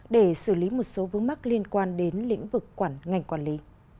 để xử lý một số vướng mắc liên quan đến lĩnh vực quản ngành quản lý